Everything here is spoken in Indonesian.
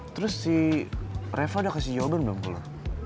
terus si reva udah kasih jawaban belum ke lo